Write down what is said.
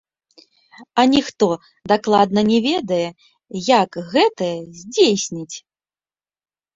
Аніхто дакладна не ведае, як гэтае здзейсніць.